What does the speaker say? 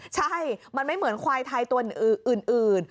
ใช่มันไม่เหมือนควายไทยตัวอื่น